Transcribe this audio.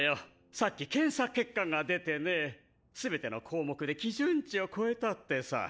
さっき検査結果が出てね全ての項目で基準値を超えたってさ。